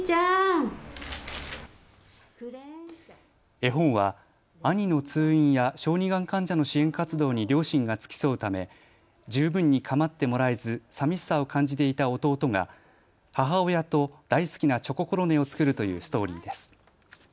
絵本は兄の通院や小児がん患者の支援活動に両親が付き添うため十分にかまってもらえずさみしさを感じていた弟が母親と大好きなチョココロネを作るというストーリーです。